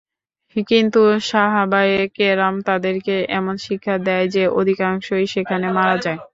কিন্তু সাহাবায়ে কেরাম তাদেরকে এমন শিক্ষা দেয় যে, অধিকাংশই সেখানে মারা যায়।